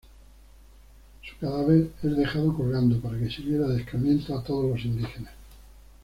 Su cadáver es dejado colgando, para que sirviera de escarmiento a todos los indígenas.